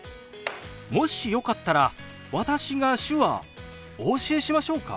もしよかったら私が手話お教えしましょうか？